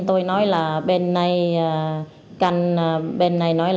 tôi nói là bên này